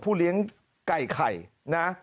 เลี้ยงไก่ไข่นะ